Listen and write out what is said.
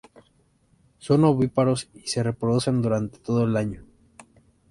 Son ovíparos y se reproducen durante todo el año.